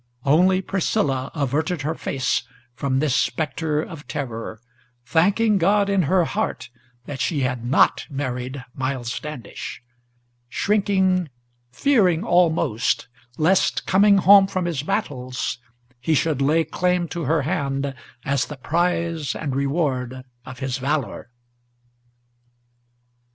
Only Priscilla averted her face from this spectre of terror, Thanking God in her heart that she had not married Miles Standish; Shrinking, fearing almost, lest, coming home from his battles, He should lay claim to her hand, as the prize and reward of his valor.